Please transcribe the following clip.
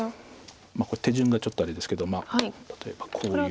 これ手順がちょっとあれですけど例えばこういう。